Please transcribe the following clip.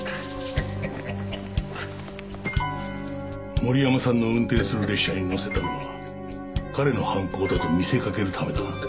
森山さんの運転する列車に乗せたのは彼の犯行だと見せかけるためだな？